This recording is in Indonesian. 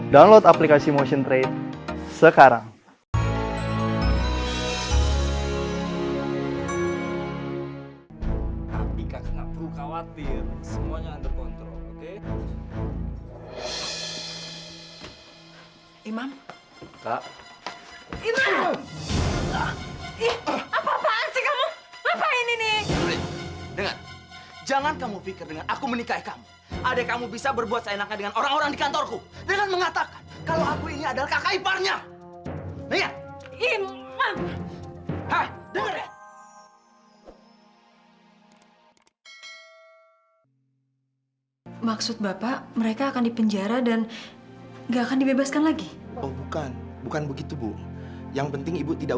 download aplikasi motion trade sekarang